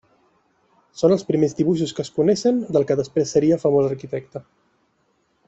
Són els primers dibuixos que es coneixen del que després seria famós arquitecte.